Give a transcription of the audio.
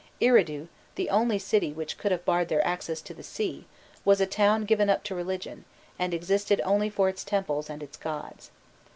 Eridu, the only city which could have barred their access to the sea, was a town given up to religion, and existed only for its temples and its gods.